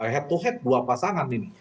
head to head dua pasangan ini